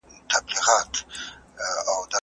هغه خلک چې ښار کې اوسیږي نوي عادتونه لري.